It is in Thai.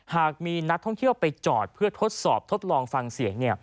หากมีนักท่องเที่ยวไปจอดเพื่อทดสอบทดลองฟังเสียง